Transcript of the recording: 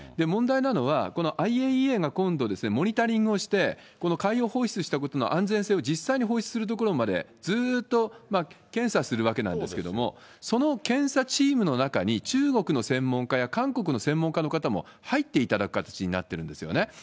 問題なのは、このＩＡＥＡが今度ですね、モニタリングをして、この海洋放出したことの安全性を実際に放出するところまで、ずっと検査するわけなんですけれども、その検査チームの中に、中国の専門家や韓国の専門家の方も入っていただく形になってるんですよね。